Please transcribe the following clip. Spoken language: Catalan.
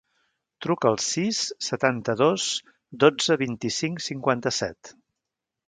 Truca al sis, setanta-dos, dotze, vint-i-cinc, cinquanta-set.